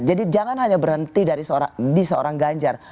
jadi jangan hanya berhenti di seorang ganjar